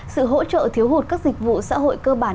sự hỗ trợ thiếu hụt các dịch vụ xã hội cơ bản